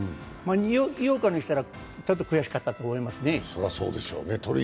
井岡にしたら、ちょっと悔しかったと思いますね。